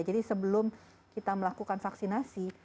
jadi sebelum kita melakukan vaksinasi